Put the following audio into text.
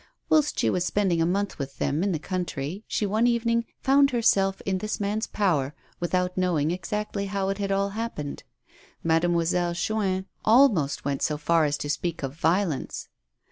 Whilst she was spending a month with them in the country, she one evening found herself in this man's power without knowing exactly how it had all happened. Mademoi selle Chuin almost went so far as to speak of violence.